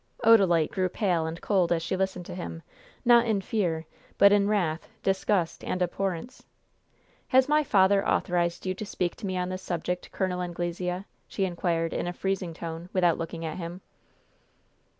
Odalite grew pale and cold as she listened to him, not in fear, but in wrath, disgust and abhorrence. "Has my father authorized you to speak to me on this subject, Col. Anglesea?" she inquired, in a freezing tone, without looking at him.